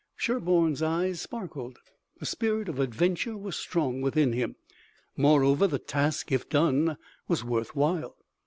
Sherburne's eyes sparkled. The spirit of adventure was strong within him. Moreover the task, if done, was worth while.